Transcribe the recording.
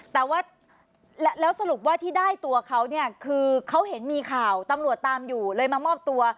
แต่ว่าแล้วสรุปว่าที่ได้ตัวเขาเนี่ยคือเขาเห็นมีข่าวตำรวจตามอยู่เลยมามอบตัว